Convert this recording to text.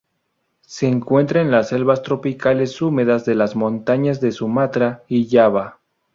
Se encuentra en las selvas tropicales húmedas de las montañas de Sumatra y Java.